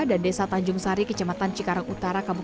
dan desa tanjung sari kecamatan cikarang utara